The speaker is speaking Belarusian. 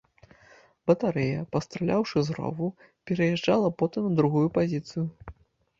Батарэя, пастраляўшы з рову, пераязджала потым на другую пазіцыю.